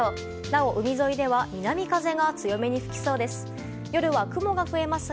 なお、海沿いでは南風が強めに吹きそうです。